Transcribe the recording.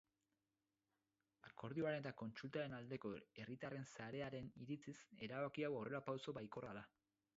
Akordioaren eta kontsultaren aldeko herritarren sarearen iritziz, erabaki hau aurrerapauso baikorra da.